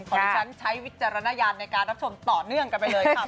ของที่ฉันใช้วิจารณญาณในการรับชมต่อเนื่องกันไปเลยค่ะ